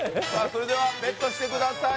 それではＢＥＴしてください